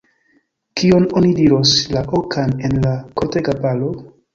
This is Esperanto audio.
Kion oni diros, la okan, en la kortega balo?